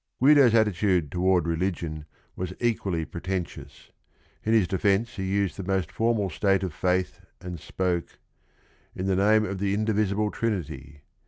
Guido's attitude toward religion was equally pretentious. In his defence he used the most formal statement of faith and spoke: "In the name of the indivisible Trinity."